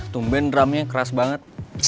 tumben drumnya keras banget